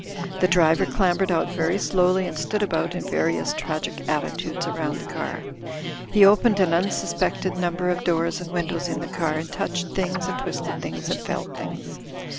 The driver clambered out very slowly, and stood about in various tragic attitudes round the car. He opened an unsuspected number of doors and windows in the car, and touched things and twisted things and felt things.